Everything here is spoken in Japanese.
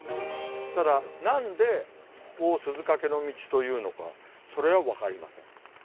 ただ何でここを鈴懸の径というのかそれは分かりません。